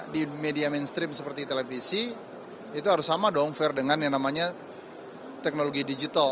di media mainstream seperti televisi itu harus sama dong fair dengan yang namanya teknologi digital